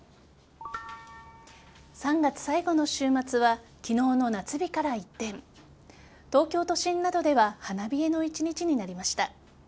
３月最後の週末は昨日の夏日から一転東京都心などでは花冷えの１日になりました。